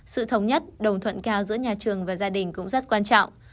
sự thống nhất đồng thuận cao giữa nhà trường và gia đình cũng rất quan trọng